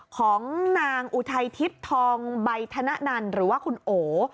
ของนางอุทัยทิพย์ทองใบธนนันหรือว่าคุณโอ